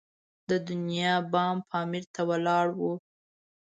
د دنیا بام پامیر ته ولاړو.